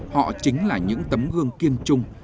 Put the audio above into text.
họ chính là những tấm gương kiên trung